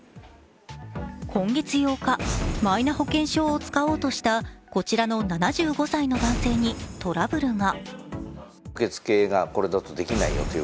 今月８日、マイナ保険証を使おうとしたこちらの７５歳の男性にトラブルが。